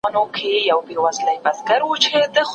مادي پرمختګ په فکري روښانتيا پوري تړلی دی.